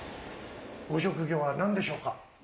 ご職業は何でしょうか？